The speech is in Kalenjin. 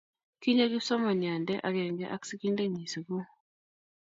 Kinyo kipsomaniande akenge ak sikintenyi sukul